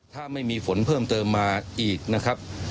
ถ้าไม่มีฝนเพิ่มเติมมาอีกนะครับ